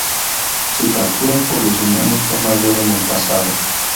Su captura por los humanos fue mayor en el pasado.